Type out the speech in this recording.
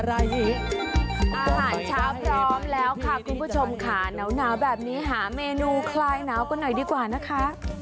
รายนี้อาหารเช้าพร้อมแล้วค่ะคุณผู้ชมค่ะหนาวแบบนี้หาเมนูคลายหนาวกันหน่อยดีกว่านะคะ